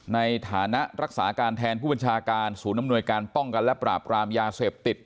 ในฐานะรักษาการแทนผู้บัญชาการศูนย์อำนวยการป้องกันและปราบกรามยาเสพติด